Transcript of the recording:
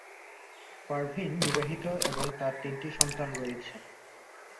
পারভীন বিবাহিত এবং তার তিনটি সন্তান রয়েছে।